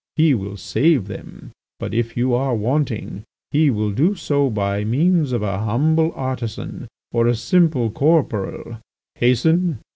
He will save them, but, if you are wanting, He will do so by means of a humble artisan or a simple corporal. Hasten!